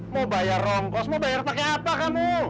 mau bayar rongkos mau bayar pakai apa kamu